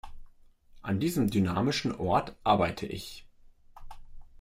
An diesem dynamischen Ort arbeite ich.